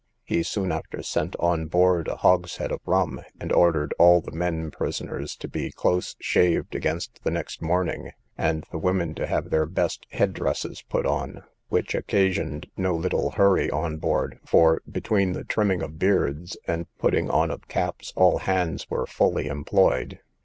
He soon after sent on board a hogshead of rum, and ordered all the men prisoners to be close shaved against the next morning, and the women to have their best head dresses put on, which occasioned no little hurry on board; for, between the trimming of beards, and putting on of caps, all hands were fully employed.